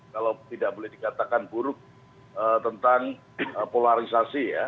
kalau tidak boleh dikatakan buruk tentang polarisasi ya